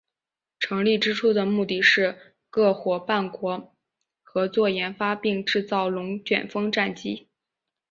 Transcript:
成立之初的目的是各夥伴国合作研发并制造龙卷风战机。